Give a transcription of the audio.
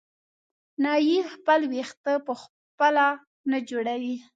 نایي خپل وېښته په خپله نه جوړوي.